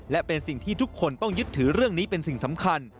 และเป็นสิ่งที่ทุกคนต้องยึดถือเรื่องนี้เป็นสิ่งสำคัญ